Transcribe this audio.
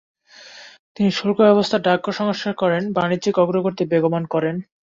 তিনি শুল্ক ব্যবস্থা, ডাকঘর সংস্কার করেন, বাণিজ্যিক অগ্রগতি বেগবান করেন।